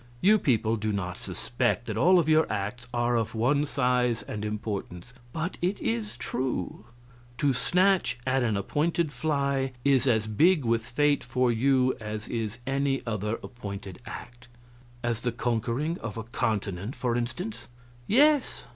You people do not suspect that all of your acts are of one size and importance, but it is true; to snatch at an appointed fly is as big with fate for you as is any other appointed act " "As the conquering of a continent, for instance?" "Yes.